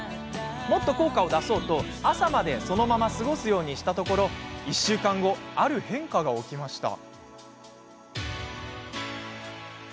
もっと効果を出そうと、朝までそのまま過ごすようにしたところ１週間後、ある変化が起きました。